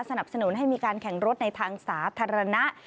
สนับสนุนให้มีการแข่งรถในทางสาธารณะ